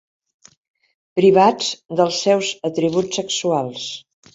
Privats dels seus atributs sexuals.